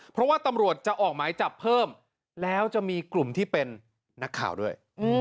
เพราะว่าตำรวจจะออกหมายจับเพิ่มแล้วจะมีกลุ่มที่เป็นนักข่าวด้วย